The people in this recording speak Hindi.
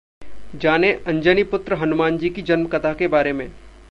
जानें, अंजनी पुत्र हनुमानजी की जन्मकथा के बारे में...